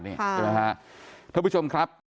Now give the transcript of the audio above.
เพื่อนผู้ชมครับ